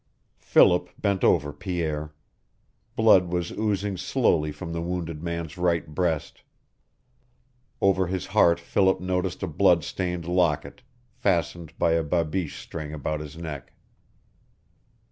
Philip bent over Pierre. Blood was oozing slowly from the wounded man's right breast. Over his heart Philip noticed a blood stained locket, fastened by a babiche string about his neck.